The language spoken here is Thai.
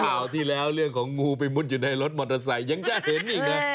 ข่าวที่แล้วเรื่องของงูไปมุดอยู่ในรถมอเตอร์ไซค์ยังจะเห็นอีกนะ